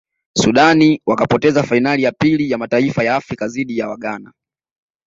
sudan wakapoteza fainali ya pili ya mataifa ya afrika dhidi ya waghnana